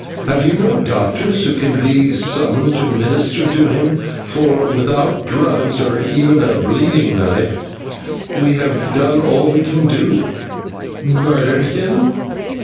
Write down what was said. Have you no doctors who can be summoned to minister to him, for, without drugs, or even a bleeding knife, we have done all we can do." "Murdered him!